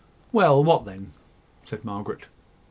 "Well, what then?" said Margaret.